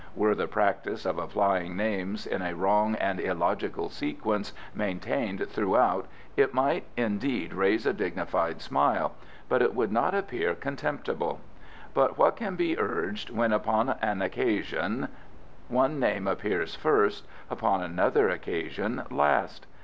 Were the practice of applying names in a wrong and illogical sequence maintained throughout it might indeed raise a dignified smile, but it would not appear contemptible; but what can be urged when upon an occasion one name appears first, upon another occasion last?